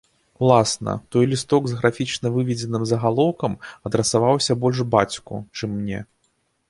Уласна, той лісток з графічна выведзеным загалоўкам адрасаваўся больш бацьку, чым мне.